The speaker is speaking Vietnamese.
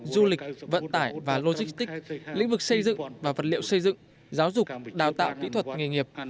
du lịch vận tải và logistics lĩnh vực xây dựng và vật liệu xây dựng giáo dục đào tạo kỹ thuật nghề nghiệp